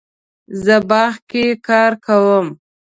زه باغ کې کار کوم